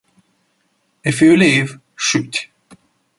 If You Live, Shoot!